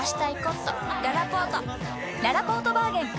ららぽーとバーゲン開催！